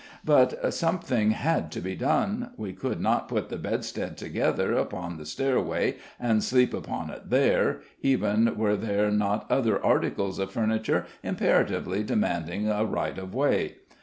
But something had to be done; we could not put the bedstead together upon the stairway and sleep upon it there, even were there not other articles of furniture imperatively demanding a right of way.